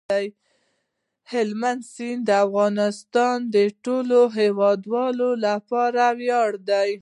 هلمند سیند د افغانستان د ټولو هیوادوالو لپاره ویاړ دی.